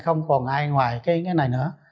không còn ai ngoài cái này nữa